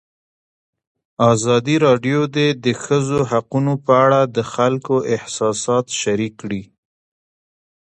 ازادي راډیو د د ښځو حقونه په اړه د خلکو احساسات شریک کړي.